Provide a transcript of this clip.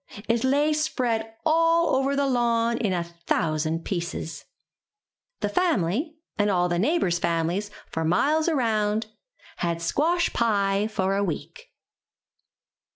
It lay spread all over the lawn in a thousand pieces. The family, and all the neighbors* families for miles around, had squash pie for a week.